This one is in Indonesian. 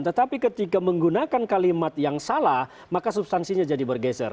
tetapi ketika menggunakan kalimat yang salah maka substansinya jadi bergeser